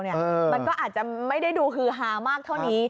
มันก็อาจจะไม่ได้ดูฮือฮามากเท่านี้